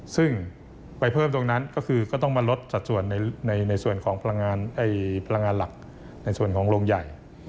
ซึ่งไปเพิ่มตรงนั้นก็คือก็ต้องมาลดสัดส่วนในส่วนของพลังงานหลักในส่วนของโรงใหญ่